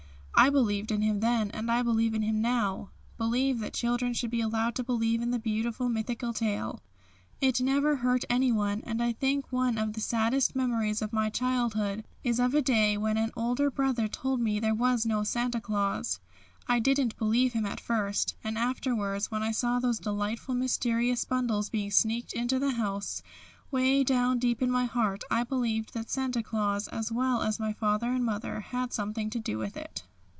I believed in him then and I believe in him now believe that children should be allowed to believe in the beautiful mythical tale. It never hurt anyone, and I think one of the saddest memories of my childhood is of a day when an older brother told me there was no Santa Claus. I didn't believe him at first, and afterwards when I saw those delightful mysterious bundles being sneaked into the house, way down deep in my heart I believed that Santa Claus as well as my father and mother had something to do with it."